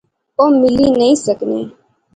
او ملی نئیں سکنے